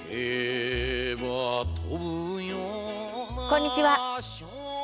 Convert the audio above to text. こんにちは。